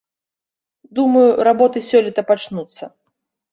Думаю, работы сёлета пачнуцца.